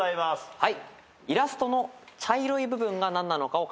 はい。